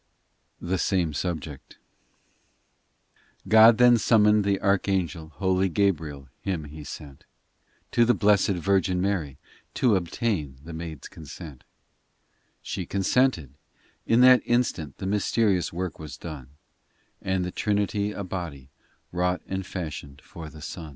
THE SAME SUBJECT i GOD then summoned the archangel Holy Gabriel him He sent To the Blessed Virgin Mary To obtain the maid s consent. 288 POEMS ii She consented : in that instant The mysterious work was done, And the Trinity a body Wrought and fashioned for the Son.